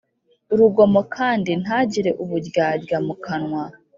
Urugomo kandi ntagire uburyarya mu kanwa